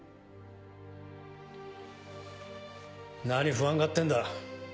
何不安がってんだ。